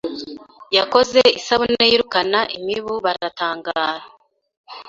yakoze isabune yirukana imibu baratangara